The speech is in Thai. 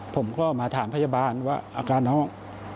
ผมก็มาถามพยาบาลว่าอาการน้อง